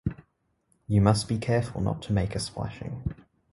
You must be careful not to make a splashing.